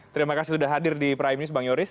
terima kasih sudah hadir di prime news bang yoris